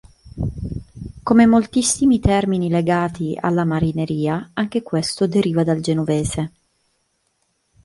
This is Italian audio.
Come moltissimi termini legati alla Marineria, anche questo deriva dal genovese.